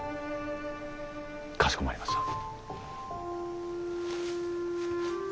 かしこまりました。